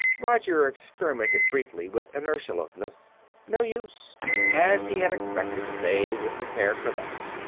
Roger experimented briefly with inertialessness. No use. As he had expected, they were prepared for that.